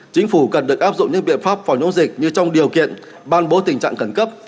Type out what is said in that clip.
chính phủ cần được áp dụng những biện pháp phòng chống dịch như trong điều kiện ban bố tình trạng khẩn cấp